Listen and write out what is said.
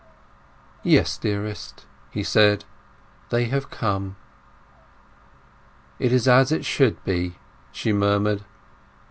"Yes, dearest," he said. "They have come." "It is as it should be," she murmured.